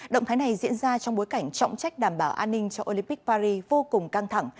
động thái này diễn ra trong bối cảnh trọng trách đảm bảo an ninh cho olympic paris vô cùng căng thẳng